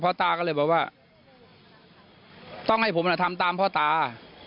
ตาก็เลยบอกว่าต้องให้ผมทำตามพ่อตา